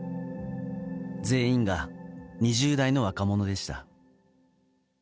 全員が２０代の若者でした。